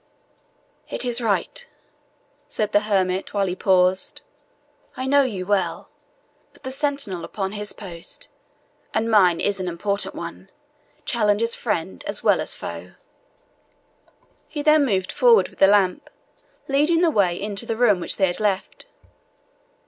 "It is right," said the hermit, while he paused. "I know you well; but the sentinel upon his post and mine is an important one challenges friend as well as foe." He then moved forward with the lamp, leading the way into the room which they had left.